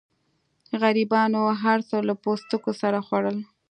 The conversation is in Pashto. غریبانو هر څه له پوستکو سره وخوړل.